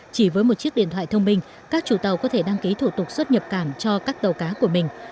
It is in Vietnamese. chỉ với một chiếc điện thoại thông minh các chủ tàu có thể đăng ký thủ tục xuất nhập cản cho các tàu cá của mình